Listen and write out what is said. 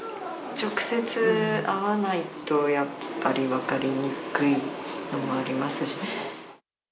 直接会わないと、やっぱり分かりにくいのもありますし。